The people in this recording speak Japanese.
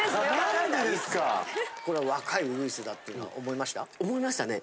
これは若いウグイスだっていうのは思いました？